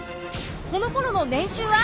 このころの年収は？